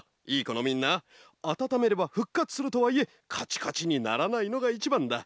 このみんなあたためればふっかつするとはいえカチカチにならないのがいちばんだ。